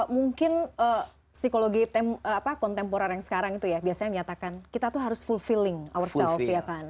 mungkin psikologi kontemporer yang sekarang itu ya biasanya menyatakan kita tuh harus full feeling ourself ya kan